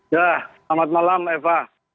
ya selamat malam eva